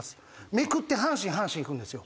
めくって阪神阪神いくんですよ。